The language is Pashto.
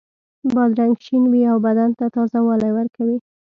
بادرنګ شین وي او بدن ته تازه والی ورکوي.